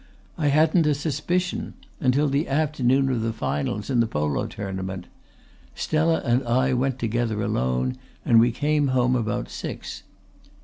I hadn't a suspicion until the afternoon of the finals in the Polo Tournament. Stella and I went together alone and we came home about six.